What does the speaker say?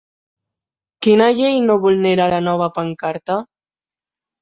Quina llei no vulnera la nova pancarta?